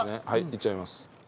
いっちゃいます。